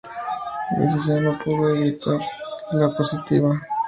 La decisión no pudo ser más positiva.